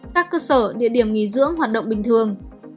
các cơ sở địa điểm nghỉ dưỡng hoạt động bình thường